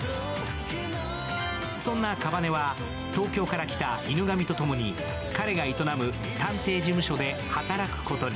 そんな夏羽は東京から来た隠神とともに、彼が営む探偵事務所で働くことに。